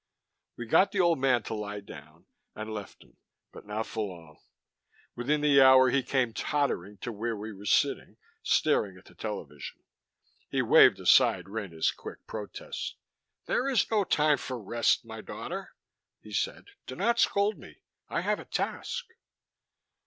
We got the old man to lie down, and left him. But not for long. Within the hour he came tottering to where we were sitting, staring at the television. He waved aside Rena's quick protest. "There is no time for rest, my daughter," he said. "Do not scold me. I have a task."